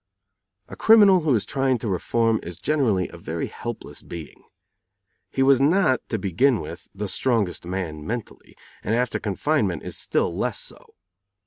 A criminal who is trying to reform is generally a very helpless being. He was not, to begin with, the strongest man mentally, and after confinement is still less so.